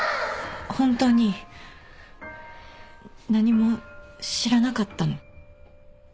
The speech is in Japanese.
ホントに何も知らなかったの。